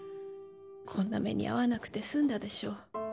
「こんな目にあわなくて済んだでしょう」